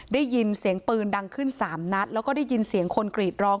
ได้ยินเสียงปืนดังขึ้นสามนัดแล้วก็ได้ยินเสียงคนกรีดร้อง